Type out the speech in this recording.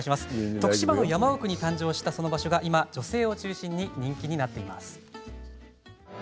徳島の山奥に誕生したその場所が今、女性を中心に人気となっています。